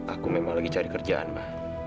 aku memang lagi cari kerjaan mbak